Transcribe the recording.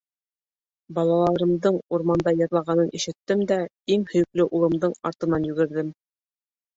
— Балаларымдың урманда йырлағанын ишеттем дә иң һөйөклө улымдың артынан йүгерҙем.